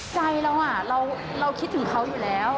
ใจเราเราคิดถึงเขาอยู่แล้ว